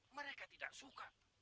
mereka tidak suka